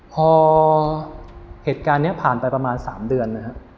พอเหตุการณ์นี้ผ่านไปประมาณ๓เดือนนะครับ